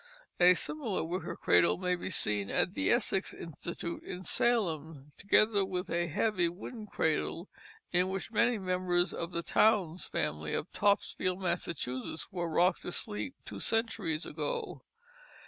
A similar wicker cradle may be seen at the Essex Institute in Salem, together with a heavy wooden cradle in which many members of the Townes family of Topsfield, Massachusetts, were rocked to sleep two centuries ago.